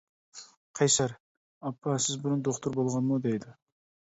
قەيسەر:-ئاپا سىز بۇرۇن دوختۇر بولغانمۇ دەيدۇ.